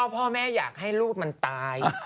พ่อแม่อยากให้ลูกมันตาย